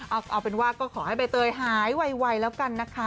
เอาเป็นว่าก็ขอให้ใบเตยหายไวแล้วกันนะคะ